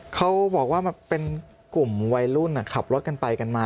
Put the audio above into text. เขาบอกว่าเป็นกลุ่มวัยรุ่นขับรถกันไปกันมา